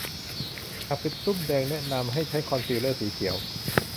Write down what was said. หากเป็นตุ้มแดงแนะนำให้ใช้คอนซีลเลอร์สีเขียว